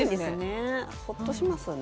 ホッとしますね。